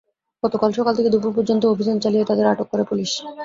গতকাল সকাল থেকে দুপুর পর্যন্ত অভিযান চালিয়ে তাঁদের আটক করে পুলিশ।